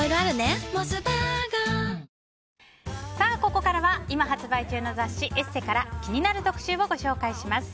ここからは今発売中の雑誌「ＥＳＳＥ」から気になる特集をご紹介します。